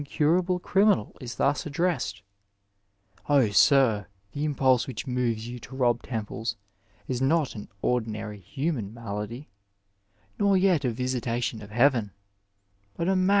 curable criminal is thus addressed :'' Oh, sir, the impulse which moves you to rob temples is not an ordinary human malady, nor yet a visitation of heaven, but a madness ^ Dialogues, iii.